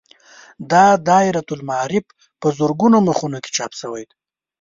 دا دایرة المعارف په زرګونو مخونو کې چاپ شوی دی.